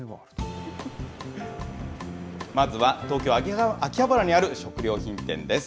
まずは東京・秋葉原にある食料品店です。